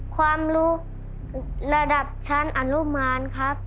ความรู้ระดับชั้นอนุมานครับ